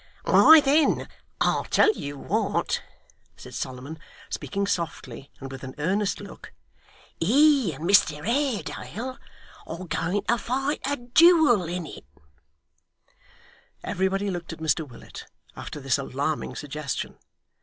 'Why then, I'll tell you what,' said Solomon, speaking softly and with an earnest look. 'He and Mr Haredale are going to fight a duel in it.' Everybody looked at Mr Willet, after this alarming suggestion.